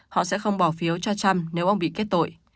họ sẽ không bỏ phiếu cho trump nếu ông bị kết tội